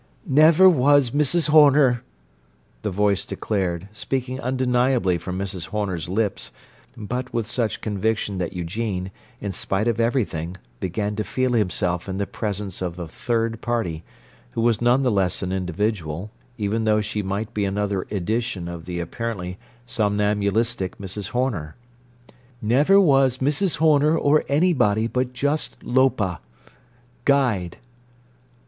"Never was Mrs. Horner!" the voice declared, speaking undeniably from Mrs. Horner's lips—but with such conviction that Eugene, in spite of everything, began to feel himself in the presence of a third party, who was none the less an individual, even though she might be another edition of the apparently somnambulistic Mrs. Horner. "Never was Mrs. Horner or anybody but just Lopa. Guide."